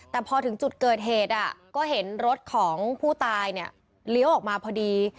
แต่พอถึงจุดเกิดเหตุก็เห็นรถของผู้ตายเนี่ยเลี้ยวออกมาพอดี